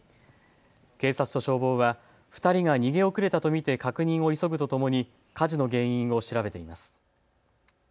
警察と消防は２人が逃げ遅れたと見て確認を急ぐとともに火事の原因を調べています。